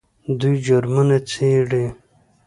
دوی جرمونه څیړي.